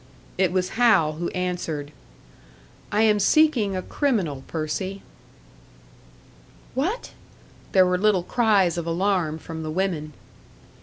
It was Hal who answered. "I am seeking a criminal, Percy." "What?" There were little cries of alarm from the women.